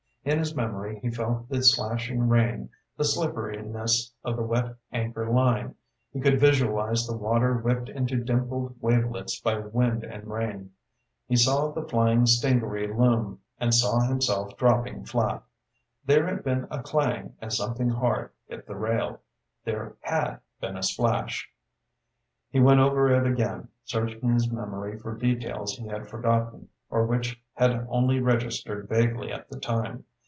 In his memory he felt the slashing rain, the slipperiness of the wet anchor line. He could visualize the water whipped into dimpled wavelets by wind and rain. He saw the flying stingaree loom, and saw himself dropping flat. There had been a clang as something hard hit the rail! There had been a splash! He went over it again, searching his memory for details he had forgotten or which had only registered vaguely at the time.